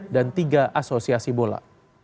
dan tiga asosiasi bola